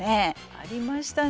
ありましたね。